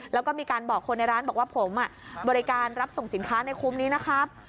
แล้วก็มีการบอกคนในร้านบอกว่าผมบริการรับส่งสินค้าในคุ้มนี้นะครับ